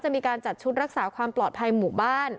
มีการจัดชุดรักษาความปลอดภัยหมู่บ้าน